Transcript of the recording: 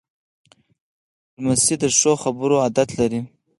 لمسی د ښو خبرو عادت لري.